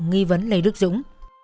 nghi vấn lê đức dũng